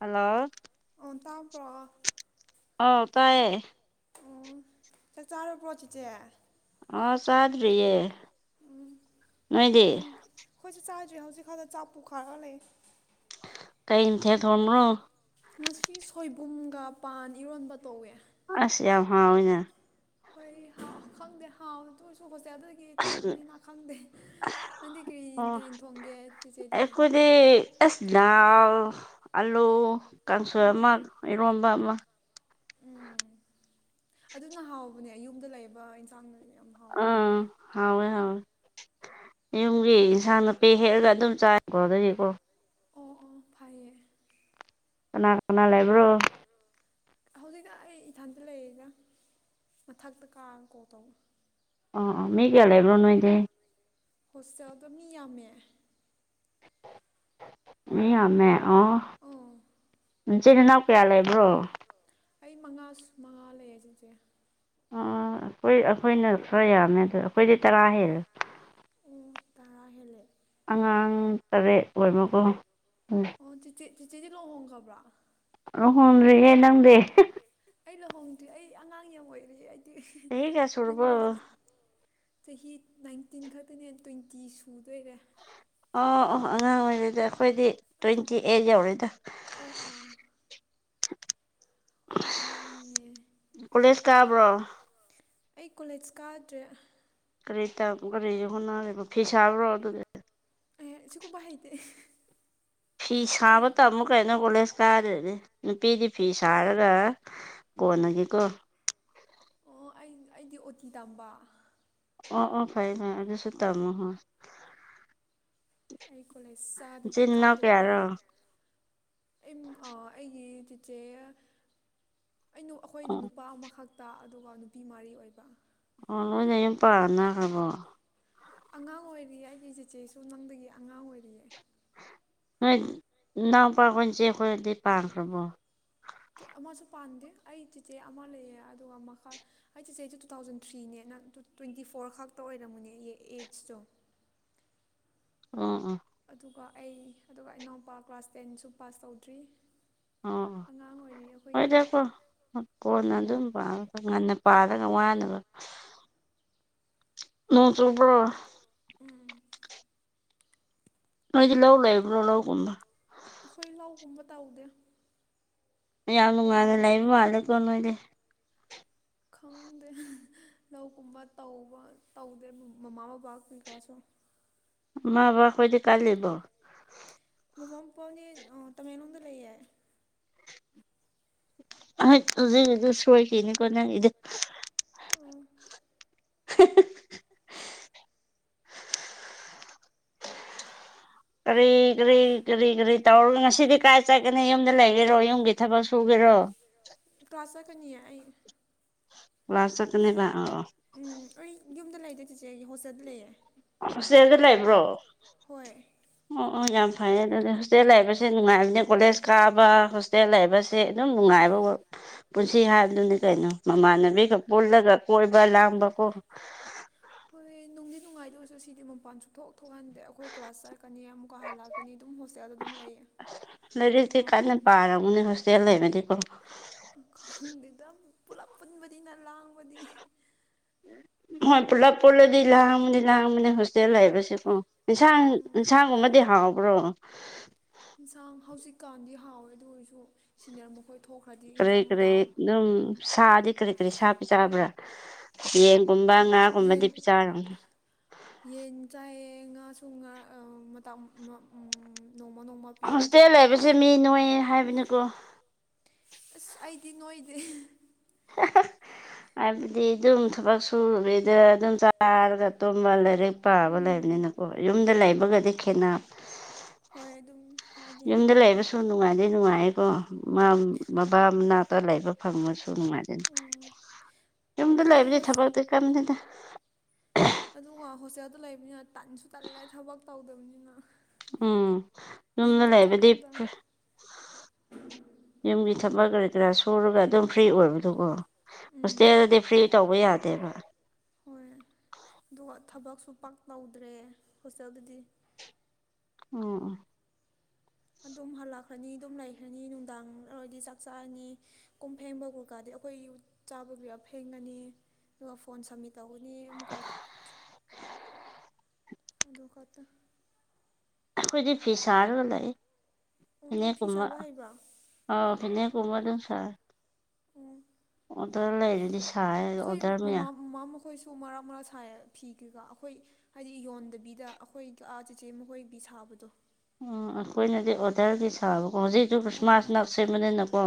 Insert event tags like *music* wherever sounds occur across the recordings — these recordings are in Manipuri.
ꯍꯜꯂꯣ ꯑꯣ ꯇꯥꯄ꯭ꯔꯣ ꯑ ꯇꯥꯏꯌꯦ ꯑꯣ ꯆꯥꯛ ꯆꯥꯔꯄ꯭ꯔꯣ ꯆꯤꯠꯆꯦ ꯑ ꯆꯥꯗꯔꯤꯌꯦ ꯎꯝ ꯊꯦꯡ ꯑꯩꯈꯣꯏꯁꯨ ꯆꯥꯗ꯭ꯔꯤ ꯍꯧꯖꯤꯛꯈꯛꯗ ꯆꯥ ꯄꯨꯨꯈꯥꯔꯒ ꯂꯩ ꯀꯩ ꯏꯊꯦꯛ ꯊꯣꯟꯕꯅꯣ ꯉꯁꯤ ꯁꯣꯏꯕꯨꯝꯒ ꯄꯥꯟ ꯏꯔꯣꯟꯕ ꯇꯧꯋꯦ ꯑꯁ ꯌꯥꯝ ꯍꯥꯎꯏꯅ ꯍꯣꯏ ꯍꯥꯎ ꯈꯪꯗꯦ ꯍꯥꯎ ꯇꯑꯣꯏꯔꯁꯨ ꯍꯣꯇꯦꯜ *unintelligible* ꯇꯧꯕꯅꯤꯅ ꯈꯪꯗꯦ ꯅꯪꯗꯤ ꯀꯔꯤꯊꯦꯡ ꯊꯣꯡꯒꯦ ꯆꯤꯆꯦꯗꯤ *unintelligible* ꯑꯁ ꯗꯥꯜ ꯑꯂꯨ ꯀꯥꯡꯁꯣꯏ ꯑꯃ ꯏꯔꯣꯟꯕ ꯑꯃ ꯑꯗꯨꯅ ꯍꯥꯎꯕꯅꯦ ꯌꯨꯝꯗ ꯂꯩꯕ ꯏꯟꯁꯥꯡ ꯌꯥꯝ ꯑꯥ ꯍꯥꯎꯋꯦ ꯍꯥꯎꯋꯦ ꯌꯨꯝꯒꯤ ꯏꯟꯁꯥꯡ ꯅꯥꯄꯤ ꯍꯦꯛꯑꯥꯒ ꯑꯗꯨꯝ ꯆꯥꯏ ꯒꯣꯗꯒꯤꯀꯣ ꯑꯣ ꯑꯣ ꯐꯩꯌꯦ ꯀꯅꯥ ꯀꯅꯥ ꯂꯩꯕ꯭ꯔꯣ ꯍꯧꯖꯤꯛꯅ ꯑꯩ ꯏꯊꯟꯇ ꯂꯩꯌꯦꯒ ꯃꯊꯛꯇ ꯀꯥꯡ ꯀꯣ ꯇꯧꯕ ꯑꯥ ꯑꯥ ꯃꯤ ꯀꯌꯥ ꯂꯩꯕ꯭ꯔꯣ ꯅꯣꯏꯗꯦ ꯍꯣꯁꯇꯦꯜꯗꯣ ꯃꯤ ꯌꯥꯝꯃꯦ ꯏ ꯌꯥꯝꯃꯦ ꯑ ꯏꯆꯤꯟꯅꯥꯎ ꯀꯌꯥ ꯂꯩꯕ꯭ꯔꯣ ꯑꯩ ꯃꯉꯥ ꯃꯉꯥ ꯂꯩꯌꯦ ꯆꯁꯦ ꯑ ꯑꯩꯈꯣꯏ ꯑꯩꯈꯣꯏꯅ ꯈꯔ ꯌꯥꯝꯃꯦ ꯑꯗ ꯑꯈꯣꯏꯗꯤ ꯇꯔꯥ ꯍꯦꯜꯂꯦ ꯑꯣ ꯇꯔꯥ ꯍꯦꯂꯦ ꯑꯉꯥꯡ ꯇꯔꯦꯠ ꯑꯣꯏꯃꯀꯣ ꯎꯝ ꯑꯣ ꯇꯤꯆꯦ ꯇꯤꯆꯦꯗꯤ ꯂꯨꯍꯣꯡꯈꯕ꯭ꯔꯥ ꯔꯨꯍꯣꯡꯗ꯭ꯔꯦꯍꯦ ꯅꯪꯗꯦ ꯑꯩ ꯂꯨꯍꯣꯡꯗ꯭ꯦ ꯑꯩ ꯑꯉꯥꯡ ꯌꯦ ꯑꯣꯏꯔꯤꯁꯦ ꯑꯩ ꯏ ꯏꯍꯤꯍꯤ ꯐꯪꯗꯦ ꯆꯤꯆꯦ ꯆꯍꯤ ꯅꯥꯏꯟꯇꯤꯟ ꯈꯛꯇꯅꯦ ꯇ꯭ꯋꯦꯟꯇꯤ ꯁꯨꯗꯣꯏꯔꯦ ꯑꯣ ꯑꯉꯥꯡ ꯑꯣꯏꯔꯤꯩꯗ ꯑꯩꯈꯣꯏꯗꯤ ꯇ꯭ꯋꯦꯟꯇꯤ ꯑꯩꯠ ꯌꯧꯔꯣꯏꯗ ꯑꯣ ꯑꯣ ꯀꯂꯤꯁ ꯀꯥꯕ꯭ꯔꯣ ꯑꯩ ꯀꯣꯂꯦꯖ ꯀꯥꯗ꯭ꯔꯦ ꯀꯔꯤ ꯀꯔꯤꯁꯦ ꯍꯣꯠꯅꯔꯔꯤꯕ ꯐꯤ ꯁꯥꯕ꯭ꯔꯣ ꯑꯗꯨꯗꯤ ꯑ ꯁꯒꯨꯕ ꯍꯥꯏꯥꯏꯇꯦ ꯐꯤ ꯁꯥꯕ ꯇꯝꯃꯨ ꯀꯩꯅꯣ ꯀꯣꯂꯦꯖ ꯀꯥꯗꯔꯗꯤ ꯅꯨꯄꯤꯗꯤ ꯐꯤ ꯁꯥꯔꯒ ꯀꯣꯟꯅꯒꯦꯀꯣ ꯑꯣ ꯑꯩ ꯑꯩꯗꯤ ꯑꯣꯇꯤ ꯇꯝꯕ ꯑꯣ ꯑꯣ ꯐꯥꯏ ꯐꯥꯏ ꯑꯗꯨꯁꯨ ꯇꯃꯣꯍꯣ ꯑꯩ ꯀꯣꯂꯦꯖꯥꯕꯤ ꯀꯥꯗꯕꯤꯗ ꯑꯩ ꯑꯩꯒꯤ ꯆꯤꯆꯦ ꯑꯩꯅ ꯑꯩꯈꯣꯏꯅ ꯅꯨꯄꯥ ꯑꯃꯈꯛ ꯇ ꯑꯗꯨꯒ ꯅꯨꯄꯤ ꯃꯔꯤ ꯑꯣꯏꯕ ꯑꯣ ꯅꯣꯏꯅ ꯌꯨꯝ ꯄꯥꯅꯈ꯭ꯔꯕꯣ ꯑꯉꯥꯡ ꯑꯣꯏꯔꯤꯌꯦ ꯑꯩꯒꯤ ꯆꯦꯆꯦꯁꯨ ꯅꯪꯗꯒꯤ ꯑꯉꯥꯡ ꯑꯣꯏꯔꯤꯌꯦ ꯍꯣꯏ ꯅꯄꯥꯔꯒꯣꯏ ꯆꯦ ꯑꯣꯏꯗꯤ ꯄꯥꯈ꯭ꯔꯔꯕꯣ ꯀꯦꯛ ꯑꯃꯁꯨ ꯄꯥꯟꯗꯦ ꯑꯩ ꯆꯦꯆꯦ ꯑꯃ ꯂꯩꯑ ꯑꯗꯨꯒ ꯃꯈꯥ ꯑꯩ ꯆꯦꯆꯦ ꯑꯩꯁꯦ ꯇꯨ ꯊꯥꯎꯖꯟ ꯊ꯭ꯔꯤꯅꯦꯅ ꯇ꯭ꯋꯦꯟꯇꯤ ꯐꯣꯔ ꯈꯛꯇ ꯑꯣꯏꯔꯝꯃꯅꯦ ꯑꯩ ꯑꯩꯠꯁꯇꯣ ꯑꯣ ꯑ ꯑꯗꯨꯒ ꯑꯩ ꯑꯗꯨꯒ ꯏꯅꯥꯎꯄꯥ ꯀ꯭ꯂꯥꯁ ꯇꯦꯟꯁꯨ ꯄꯥꯁ ꯇꯧꯗ꯭ꯔꯤ ꯑꯣ ꯍꯣꯏꯗ ꯀꯣ ꯀꯣꯟꯅ ꯑꯗꯨꯝ ꯄꯥꯔꫭ ꯉꯟꯅ ꯄꯥꯔꯒ ꯋꯥꯅꯕ ꯅꯣꯡ ꯆꯕ꯭ꯔꯣ ꯎꯝ ꯅꫭꯏꯗꯤ ꯂꯩ ꯂꯏꯕ꯭ꯔꯣ ꯂꯧꯒꯨꯝꯕ ꯑꯩꯈꯣꯏ ꯂꯧꯒꯨꯝꯕ ꯇꯧꯗꯦ ꯌꯥꯝ ꯅꯨꯡꯉꯥꯏꯂ ꯂꯩ ꯃꯥꯜꯂꯦ ꯀꯣ ꯅꯣꯏꯗꯤ ꯈꯪꯗꯦ ꯂꯧꯒꯨꯝꯕ ꯇꯧꯕ ꯇꯧꯗꯦ ꯃꯃꯥ ꯕꯕꯥ ꯀꯩꯀꯥꯁꯨ ꯃꯥꯕꯔ ꯀꯣꯏꯗꯤ ꯀꯥꯏ ꯂꯩꯕꯣ ꯃꯃꯥ ꯃꯄꯥꯅꯦ ꯇꯃꯦꯡꯂꯣꯡꯗ ꯂꯩꯌꯦ ꯍꯥꯏ ꯍꯧꯖꯤꯛ ꯍꯧꯖꯤꯛ ꯁꫭꯏꯅꯤꯀꫭ ꯅꯪꯒꯤꯗꯤ ꯑ ꯍꯥ ꯏ ꯀꯔꯤ ꯀꯔꯤ ꯀꯔꯤ ꯀꯔꯤ ꯇꯧꯔꯒ ꯉꯁꯤꯗꯤ ꯀꯥꯏ ꯆꯠꯀꯅꯤ ꯌꯨꯝꯗ ꯂꯩꯒꯦꯔꯣ ꯌꯨꯝꯒꯤ ꯊꯕꯛ ꯁꯨꯒꯦꯔꯣ ꯀ꯭ꯂꯥꯁ ꯆꯛꯀꯅꯤꯌꯦ ꯑꯩ ꯋꯥꯁꯇꯅꯦꯕ ꯑ ꯎꯝ ꯑꯩ ꯌꯨꯝꯗ ꯂꯩꯗꯦ ꯆꯤꯆꯦ ꯑꯩꯒꯤ ꯍꯣꯁꯇꯦꯜꯗ ꯂꯩꯌꯦ ꯍꯣꯁꯇꯦꯜꯗ ꯂꯩꯕ꯭ꯔꯣ ꯍꯣꯏ ꯑꯣ ꯑꯣ ꯌꯥꯝ ꯐꯔꯦ ꯑꯗꯨꯗꯤ ꯍꯣꯁꯇꯦꯜ ꯂꯩꯕꯁꯦ ꯅꯨꯡꯉꯥꯏꯕꯅꯦ ꯀꯣꯂꯦꯖ ꯀꯥꯕ ꯍꯣꯁꯇꯦꯜ ꯂꯩꯕꯁꯦ ꯁꯦ ꯑꯗꯨꯝ ꯅꯨꯡꯉꯥꯏꯕ ꯄꯨꯟꯁꯤ ꯍꯥꯏꯕꯗꯨꯅꯤ ꯀꯩꯅꯣ ꯃꯃꯥꯟꯅꯕꯤꯒ ꯄꯨꯜꯂꯒ ꯀꯣꯏꯕ ꯂꯥꯡꯕꯀꯣ ꯍꯣꯏ ꯅꯨꯡꯗꯤ ꯅꯨꯡꯉꯥꯏꯗ ꯑꯣꯏꯔꯁꯨ ꯁꯤꯗꯤ ꯃꯄꯥꯟ ꯆꯨꯞꯊꯣꯛꯎꯦ ꯊꯣꯛꯍꯟꯗꯦ ꯑꯩꯈꯣꯏ ꯀ꯭ꯂꯥꯁ ꯆꯠꯂꯀꯅꯤ ꯑꯃꯨꯛꯀ ꯍꯜꯂꯛꯀꯅꯤ ꯑꯗꯨꯝ ꯍꯣꯁꯇꯦꯜꯗ ꯑꯗꯨꯝ ꯂꯩꯌꯦ ꯂꯥꯏꯔꯤꯛꯇꯤ ꯀꯟꯅ ꯄꯥꯔꯝꯃꯅꯦ ꯍꯣꯁꯇꯦꯜ ꯂꯩꯃꯗꯤꯀꯣ ꯈꯪꯗꯨꯗ ꯄꯨꯂꯞ ꯄꯨꯟꯕꯅꯤꯅ ꯂꯥꯡꯕꯗꯤ ꯍꯣꯏ ꯄꯣꯂꯞꯄꯨꯔꯂꯗꯤ ꯂꯥꯡꯗꯤ ꯂꯥꯡꯕꯅ‌ꯦ ꯍꯣꯁꯇꯦꯜ ꯂꯩꯕꯁ‌ꯦ ꯀꯣ ꯏꯟꯁꯥꯡ ꯏꯟꯁꯥꯡꯒꯨꯝꯕꯗꯤ ꯍꯥꯎꯕ꯭ꯔꯣ ꯌꯦꯟꯁꯥꯡ ꯍꯧꯖꯤꯛꯀꯥꯟꯗꯤ ꯍꯥꯎꯋꯦ ꯑꯗꯨ ꯑꯣꯏꯔꯁꯨ ꯁꯤꯖꯅꯨꯌꯔ ꯃꯈꯣꯏ ꯏꯔ ꯏ ꯀꯔꯝ ꯁꯥꯗꯤ ꯀꯔꯤ ꯑꯩ ꯁꯥ ꯄꯤꯖꯥꯕ꯭ꯔꯥ ꯌꯦꯟꯒꯨꯝꯕ ꯉꯥꯒꯨꯝꯕꯗꯤ ꯄꯤꯖꯔ ꯌꯦꯟ ꯆꯥꯏꯌꯦ ꯉꯥꯁꯨ ꯉꯥ ꯅꯣꯡꯃ ꯅꯣꯡꯃ ꯍꯣꯁꯇꯦꯜ ꯂꯩꯕꯁꯦ ꯃꯤ ꯅꯣꯏ ꯍꯥꯏꯕꯅꯤꯀꯣ ꯑꯁ ꯑꯩꯗꯤ ꯅꯣꯏꯗꯤꯦ ꯎ *inaudible* ꯍꯥꯏꯕꯗꯤ ꯑꯗꯨꯝ ꯊꯕꯛ ꯁꯨꯔꯤꯗ ꯑꯗꯨꯝ ꯆꯥꯔꯒ ꯇꯨꯝꯕ ꯂꯩꯔ‌ꯦ ꯄꯥꯕ ꯂꯩꯕꯅꯤꯅꯀꯣ ꯌꯨꯝꯗ ꯂꯩꯕꯒꯗꯤ ꯈꯦꯠꯅ ꯍꯣꯏ ꯑꯗꯨꯝ ꯌꯨꯝꯗ ꯂꯩꯕꯁꯨ ꯅꯨꯡꯉꯥꯏꯖꯦ ꯅꯨꯡꯉꯥꯏꯀꯣ ꯃꯥ ꯃꯕꯥ ꯃꯅꯥꯛꯇ ꯂꯩꯕ ꯐꯪꯕꯁꯨ ꯅꯨꯡꯉꯥꯏ *inaudible* ꯌꯨꯝꯗ ꯂꯩꯕꯗꯤ ꯊꯕꯛꯇꯤ ꯀꯝꯅꯤꯅ ꯑꯗꯨꯒ ꯍꯣꯁꯇꯦꯜꯗ ꯂꯩꯕꯅꯤꯅ ꯇꯟꯁꯨ ꯇꯜꯂꯦ ꯊꯕꯛ ꯇꯧꯗꯕꯅꯤꯅ ꯎꯝ ꯌꯨꯝꯗ ꯂꯩꯕꯗꯤ *inaudible* ꯌꯨꯝꯒꯤ ꯊꯛꯕꯛ ꯀꯔꯤ ꯀꯔꯥ ꯁꯨꯔꯒ ꯑꯗꯨꯝ ꯐ꯭ꯔꯤ ꯑꯣꯏꯕꯗꯨꯀꯣ ꯍꯣꯁꯇꯦꯜꯗꯗꯤ ꯐ꯭ꯔꯤ ꯇꯧꯕ ꯌꯥꯗꯦꯕ ꯍꯣꯏ ꯑꯗꯨꯒ ꯊꯕꯛꯁꯨ ꯄꯥꯛ ꯇꯧꯗ꯭ꯔꯦ ꯍꯣꯁꯇꯦꯜꯗꯗꯤ ꯑꯣ ꯑꯗꯨꯝ ꯍꯜꯂꯛꯈ꯭ꯔꯅꯤ ꯑꯗꯨꯝ ꯂꯩꯈ꯭ꯔꯅꯤ ꯅꯨꯡꯗꯥꯡ ꯑꯣꯏꯔꯗꯤ ꯆꯥꯛ ꯆꯥꯔꯅꯤ ꯀꯨꯝ ꯐꯦꯡꯕ ꯀꯩꯀꯥꯗꯤ ꯑꯩꯈꯣꯏ ꯆꯥꯕ ꯒꯤꯔꯤ ꯑ ꯐꯦꯡꯒꯅꯤ ꯑꯗꯨꯒ ꯐꯣꯟ ꯁꯃꯤꯠ ꯇꯒꯅꯤ ꯑꯃꯨꯀꯛꯇ ꯑꯗꯨ ꯈꯣꯠꯇ ꯑꯩꯈꯣꯏꯗꯤ ꯐꯤꯁ ꯁꯥꯔꯒ ꯂꯩ ꯐꯅꯦꯛꯀꯨꯝꯕ ꯑ ꯐꯤꯅ ꯀꯣꯃ ꯑꯗꯨꯝ ꯁꯥꯔ ꯎꯝ ꯑꯗꯔ ꯂꯥꯏꯗꯤ ꯑꯩꯈꯣꯏ ꯃꯃꯥ ꯃꯃꯥ ꯃꯈꯣꯏꯁꯨ ꯃꯔꯥ ꯃꯔꯥ ꯁꯥꯏ ꯐꯤꯒꯒ ꯑꯩꯈꯣꯏ ꯍꯥꯏꯗꯤ ꯌꯣꯟꯗꯕꯤꯗ ꯑꯩꯈꯣꯏ ꯑꯥ ꯆꯦꯆꯦ ꯃꯈꯣꯏꯕꯤ ꯁꯥꯕꯗꯣ ꯑꯣ ꯑꯩꯈꯣꯏꯅꯗꯤ ꯑꯣꯗꯔꯒꯤ ꯁꯥꯥꯕꯀꯣ ꯍꯧꯖꯤꯛꯁꯨ ꯈ꯭ꯔꯤꯁꯃꯥꯁꯅ ꯁꯦꯝꯕꯅꯤꯅꯀꯣ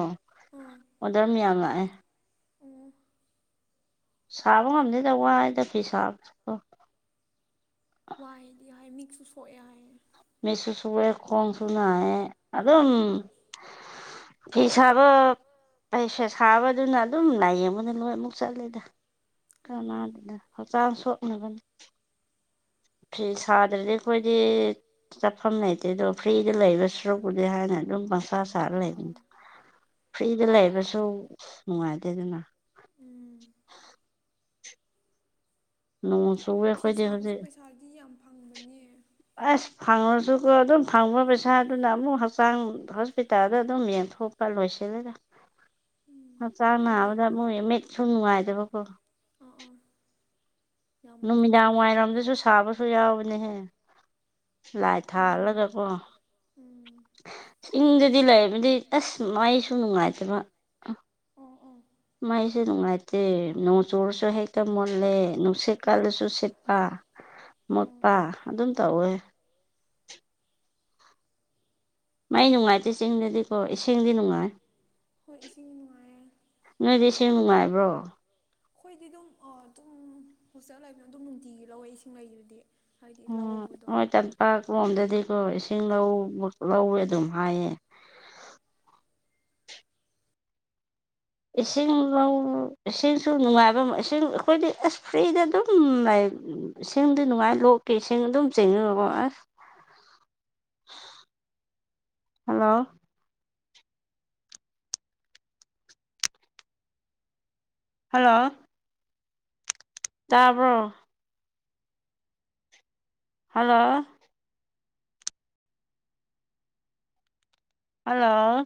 ꯑꯣꯗꯔ ꯌꯥꯝ ꯂꯥꯛꯑꯦ ꯑꯣ ꯁꯥꯕ ꯉꯝꯗꯦꯗ ꯋꯥꯗ ꯐꯩ ꯁꯥꯕꯣ ꯋꯥꯏꯑꯗꯤ ꯋꯥꯏ ꯃꯤꯛꯁꯨ ꯁꯣꯛꯑꯦ ꯍꯥꯏꯌꯦ ꯃꯤꯁꯨꯁꯕ ꯀꯣꯡꯁꯨꯅ ꯑꯗꯨ ꯑꯗꯨꯝ ꯐꯤ ꯁꯥꯕ ꯄꯩꯁ ꯁꯥꯕꯗꯨꯅ ꯑꯗꯨꯝ ꯂꯥꯏꯌꯦꯡꯕꯅ ꯂꯣꯏꯃꯨꯛ ꯆꯠꯂꯤꯦꯗ ꯀꯅꯥꯗꯨꯅ ꯍꯛꯆꯥꯡ ꯁꯣꯛꯅꯒꯅꯤ ꯐꯤ ꯁꯥꯗ꯭ꯔꯗꯤ ꯑꯩꯈꯣꯏꯗꯤ ꯆꯠꯐꯝ ꯂꯩꯇꯦ ꯑꯗꯣ ꯐ꯭ꯔꯤꯗ ꯂꯩꯕ ꯁꯔꯨꯛꯄꯨꯗꯤ ꯍꯥꯏꯅ ꯑꯗꯨꯝ ꯄꯪꯁꯥ ꯁꯥꯔ ꯂꯩꯕꯅꯤ ꯐ꯭ꯔꯤꯗ ꯂꯩꯕꯁꯨ ꯅꯨꯡꯉꯥꯏꯇꯦꯗꯥꯅ ꯅꯣꯡ ꯆꯨꯋꯦ ꯐꯤ ꯁꯥꯕꯁꯨ ꯄꯩꯁꯥꯗꯤ ꯌꯥꯝ ꯐꯪꯕꯅꯦ ꯑꯁ ꯐꯪꯉꯁꯨꯀꯣ ꯑꯗꯨꯝ ꯐꯪꯕ ꯄꯩꯁꯥꯗꯨꯅ ꯑꯃꯨꯛ ꯍꯛꯆꯥꯡ ꯍꯣꯁꯄꯤꯇꯥꯜꯗ ꯑꯗꯨꯝ ꯌꯦꯡꯊꯣꯛꯄ ꯂꯣꯏꯁꯤꯜꯂꯤꯗ *inaudible* ꯍꯛꯆꯥꯡ ꯅꯥꯕꯗ ꯃꯣꯏ ꯃꯤꯠꯁꯨ ꯅꯨꯡꯉꯥꯏꯗꯕꯀꯣ ꯅꯨꯃꯤꯗꯥꯡ ꯋꯥꯏꯔꯝꯗꯁꯨ ꯁꯥꯕ ꯌꯥꯎꯕꯅꯦꯍꯦ ꯂꯥꯠ ꯊꯥꯜꯂꯒꯀꯣ ꯏꯪꯗꯗꯤ ꯂꯩꯔꯝꯃꯗꯤ ꯑꯁ ꯃꯥꯏꯁꯨ ꯅꯨꯡꯉꯥꯏꯇꯕ ꯎꯝ ꯎꯝ ꯃꯩꯁꯦ ꯅꯨꯡꯉꯥꯏꯇꯦ ꯅꯣꯡ ꯆꯨꯔꯁꯨ ꯍꯦꯛꯇ ꯃꯨꯜꯂꯦ ꯅꯨꯡꯁꯤꯠ ꯀꯜꯂꯁꯨ ꯁꯤꯠꯄ ꯃꯨꯠꯄ ꯑꯗꯨꯝ ꯇꯧꯋꯦ ꯃꯥꯏ ꯅꯨꯡꯉꯥꯏꯇꯦ ꯆꯤꯡꯗꯗꯤꯀꯣ ꯏꯁꯤꯡꯗꯤ ꯅꯨꯡꯉꯥꯏ ꯅꯣꯏꯗꯤ ꯏꯁꯤꯡ ꯅꯨꯡꯉꯥꯏꯕ꯭ꯔꯣ ꯑꯩꯈꯣꯏꯗꯤ ꯑꯗꯨꯝ ꯑꯗꯨꯝ ꯍꯣꯁꯇꯦꯜ ꯂꯩꯕꯅ ꯑꯗꯨꯝ ꯅꯨꯡꯇꯤꯒꯤ ꯂꯧꯋꯦ ꯏꯁꯤꯡ ꯂꯩꯕꯗꯤ ꯍꯥꯏꯗꯤ ꯂꯧꯕꯗꯣ ꯄꯥꯛꯂꯣꯝꯗꯗꯤꯀꯣ ꯏꯁꯤꯡ ꯂꯧꯋꯦ ꯑꯗꯨꯝ ꯍꯥꯏꯌꯦ ꯏꯁꯤꯡ ꯂꯧ ꯏꯁꯤꯡꯁꯨ ꯅꯨꯡꯉꯥꯏꯕ ꯑꯃ ꯏꯁꯤꯡ ꯑꯩꯈꯣꯏꯗꯤ ꯑꯁ ꯐ꯭ꯔꯤꯗ ꯑꯗꯨꯝ ꯏꯁꯤꯡꯗꯤ ꯅꯨꯡꯉꯥꯏꯅ ꯂꯣꯛꯀꯤ ꯏꯁꯤꯡ ꯑꯗꯨꯝ ꯆꯦꯟꯕꯅꯤꯕꯣ ꯑꯁ *inaudible* ꯍꯜꯂꯣ ꯍꯜꯂꯣ ꯇꯥꯕ꯭ꯔꯣ ꯍꯜꯂꯣ ꯍꯜꯂꯣ